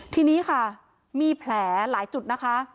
ทีนี้ค่ะมีแผลหลายจุดนะคะ